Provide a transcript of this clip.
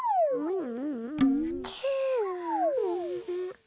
うん？